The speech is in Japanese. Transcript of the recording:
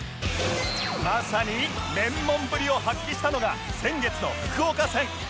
まさにメンモンぶりを発揮したのが先月の福岡戦